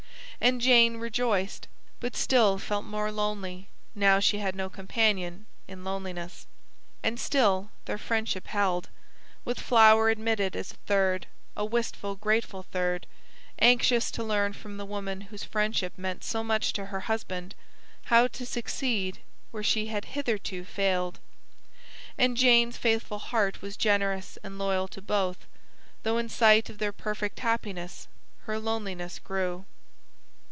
And Jane rejoiced, but felt still more lonely now she had no companion in loneliness. And still their friendship held, with Flower admitted as a third a wistful, grateful third, anxious to learn from the woman whose friendship meant so much to her husband, how to succeed where she had hitherto failed. And Jane's faithful heart was generous and loyal to both, though in sight of their perfect happiness her loneliness grew.